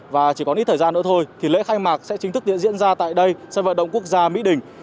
và chỉ còn ít thời gian nữa thôi thì lễ khai mạc sẽ chính thức diễn ra tại đây sân vận động quốc gia mỹ đình